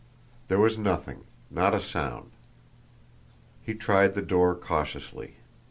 There was nothing not a sound. He tried the door cautiously.